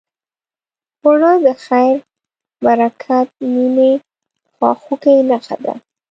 اوړه د خیر، برکت، مینې، خواخوږۍ نښه ده